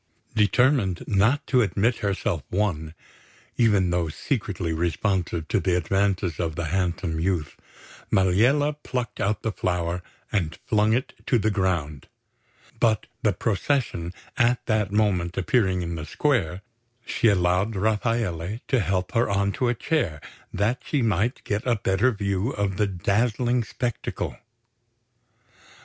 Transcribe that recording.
Determined not to admit herself won, even though secretly responsive to the advances of the handsome youth, Maliella plucked out the flower and flung it to the ground; but the procession at that moment appearing in the square, she allowed Rafaele to help her on to a chair that she might get a better view of the dazzling spectacle.